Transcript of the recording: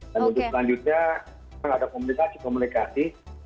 dan untuk selanjutnya kita tidak ada komunikasi komunikasi